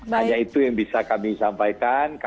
hanya itu yang bisa kami sampaikan